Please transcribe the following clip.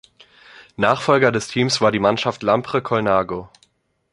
Nachfolger des Teams war die Mannschaft Lampre-Colnago.